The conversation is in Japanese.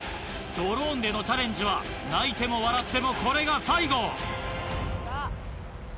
ドローンでのチャレンジは泣いても笑ってもこれが最後。